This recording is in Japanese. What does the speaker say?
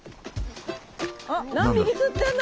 何匹釣ってんの？